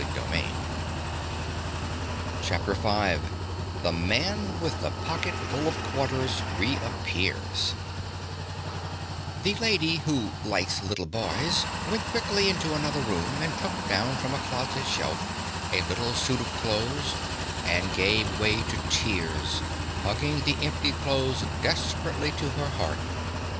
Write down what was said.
CHAPTER V THE MAN WITH THE POCKETFUL OF QUARTERS REAPPEARS The Lady Who Likes Little Boys went quickly into another room and took down from a closet shelf a little suit of clothes and gave way to tears, hugging the empty clothes desperately to her heart.